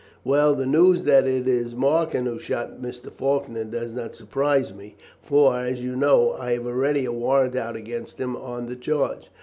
Well, the news that it is Markham who shot Mr. Faulkner does not surprise me, for, as you know, I have already a warrant out against him on the charge.